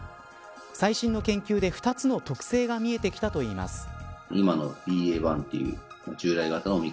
最新の研究で２つの特性が見えてきたといいます。